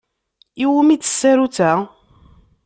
I wumi-tt tsarut-a?